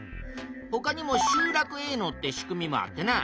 ほかにも集落営農って仕組みもあってな